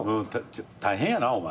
大変やなお前。